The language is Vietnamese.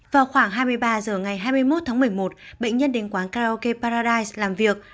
vào khoảng hai mươi ba h ngày hai mươi một tháng một mươi một bệnh nhân đến quán karaoke paradise làm việc